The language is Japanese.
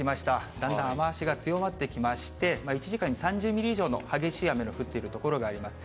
だんだん雨足が強まってきまして、１時間に３０ミリ以上の激しい雨の降っている所があります。